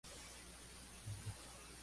Fue el descubridor del mítico James Brown.